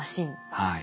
はい。